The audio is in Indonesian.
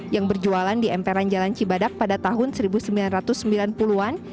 yang berjualan di emperan jalan cibadak pada tahun seribu sembilan ratus sembilan puluh an